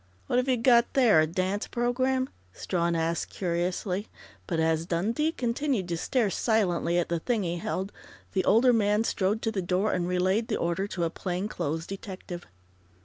"What have you got there a dance program?" Strawn asked curiously, but as Dundee continued to stare silently at the thing he held, the older man strode to the door and relayed the order to a plainclothes detective.